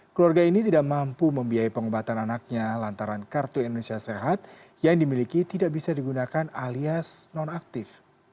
keluarga ini tidak mampu membiayai pengobatan anaknya lantaran kartu indonesia sehat yang dimiliki tidak bisa digunakan alias non aktif